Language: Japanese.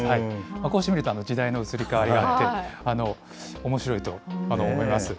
こうして見ると、時代の移り変わりがあって、おもしろいと思います。